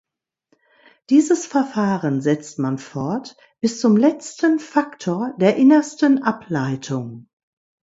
Dieses Verfahren setzt man fort bis zum letzten Faktor, der innersten Ableitung.